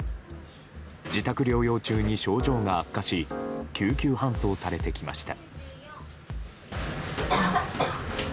自宅療養中に症状が悪化し救急搬送されてきました。